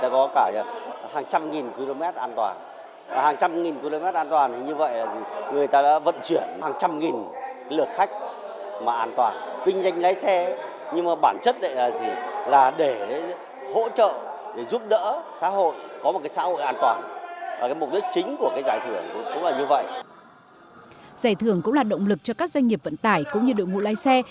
giải thưởng cũng là động lực cho các doanh nghiệp vận tải cũng như đội ngũ lái xe